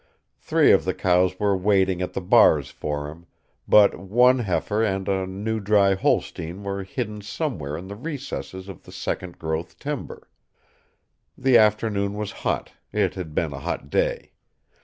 Three of the cows were waiting at the bars for him, but one heifer and a new dry Holstein were hidden somewhere in the recesses of the second growth timber. The afternoon was hot; it had been a hot day.